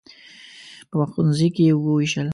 په ښوونځیو کې ووېشل.